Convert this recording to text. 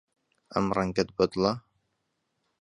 ئەم ڕەنگەت بەدڵە؟